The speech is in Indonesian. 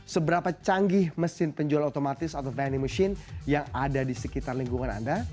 seberapa canggih mesin penjual otomatis atau veni machine yang ada di sekitar lingkungan anda